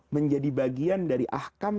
menjadi bagian dari ahkam